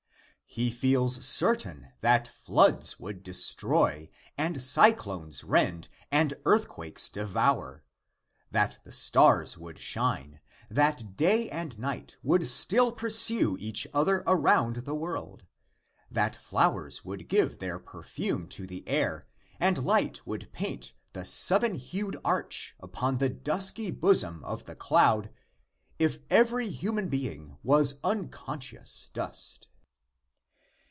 He feels certain that floods would destroy and cyclones rend and earthquakes devour; that the stars would shine; that day and night would still pursue each other around the world; that flowers would give their perfume to the air, and light would paint the seven hued arch upon the dusky bosom of the cloud if every human being was unconscious dust.